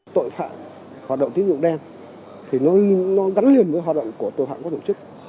tội phạm hoạt động tín dụng đen thì nó gắn liền với hoạt động của tội phạm có tổ chức